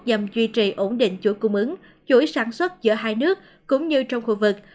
nhằm duy trì ổn định chuỗi cung ứng chuỗi sản xuất giữa hai nước cũng như trong khu vực